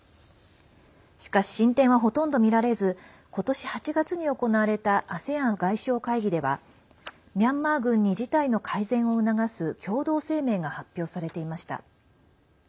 しかし、進展はほとんど見られず今年８月に行われたＡＳＥＡＮ外相会議ではミャンマー軍に事態の改善を促す共同声明が発表されていました。